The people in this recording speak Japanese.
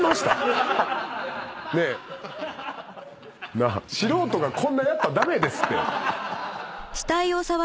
なあ素人がこんなんやったら駄目ですって。